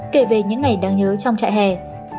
kể về những ngày đáng nhớ trong trại hè